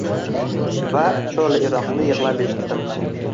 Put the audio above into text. Va «Cho’li iroq»ni yig’lab eshitdim.